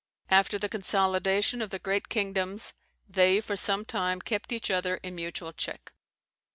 After the consolidation of the great kingdoms, they for some time kept each other in mutual check.